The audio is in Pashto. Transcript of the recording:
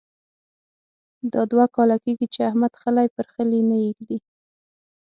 دا دوه کاله کېږې چې احمد خلی پر خلي نه اېږدي.